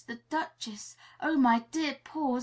The Duchess! Oh, my dear paws!